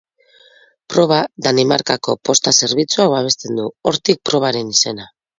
Proba Danimarkako Posta Zerbitzuak babesten du, hortik probaren izena.